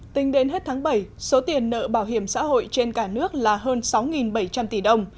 tính đến hết tháng bảy số tiền nợ bảo hiểm xã hội trên cả nước là hơn sáu bảy trăm linh tỷ đồng